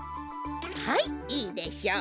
はいいいでしょう。